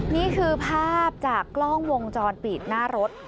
นี่คือภาพจากกล้องวงจรปิดหน้ารถ